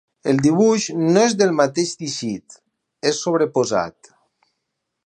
El dibuix no és del mateix teixit: és sobreposat.